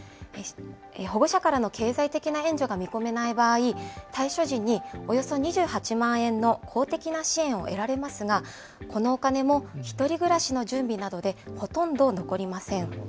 保護者からの経済的な援助が見込めない場合、退所時におよそ２８万円の公的な支援を得られますが、このお金も１人暮らしの準備などで、ほとんど残りません。